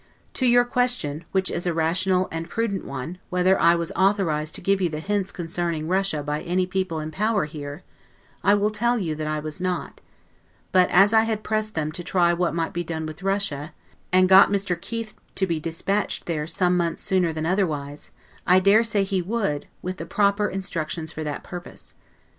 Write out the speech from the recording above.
To your question, which is a rational and prudent one, Whether I was authorized to give you the hints concerning Russia by any people in power here, I will tell you that I was not: but, as I had pressed them to try what might be done with Russia, and got Mr. Keith to be dispatched there some months sooner than otherwise, I dare say he would, with the proper instructions for that purpose.